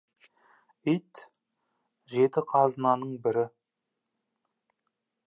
Ит — жеті қазынаның бірі.